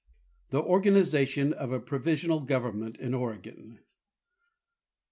The Organization of a Provisional Government in Oregon.